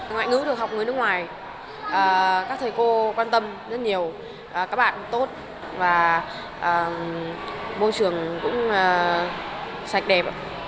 ngoại ngữ được học người nước ngoài các thầy cô quan tâm rất nhiều các bạn tốt và môi trường cũng sạch đẹp